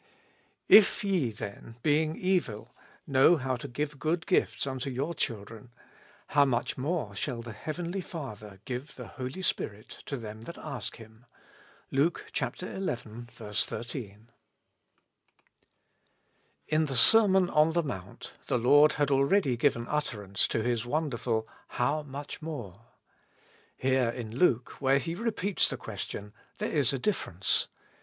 If ye then, being evil, know how to give good gifts unto your children, how much more shall the heavenly Father give the Holy Spirit to them that ask Him ?— LuKE xi. 13. IN the Sermon on the Mount, the Lord had ah'eady given utterance to His wonderful How much MORE ? Here in Luke, where He repeats the ques tion, there is a difference.